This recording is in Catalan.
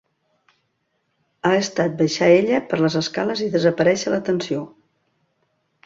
Ha estat baixar ella per les escales i desaparèixer la tensió.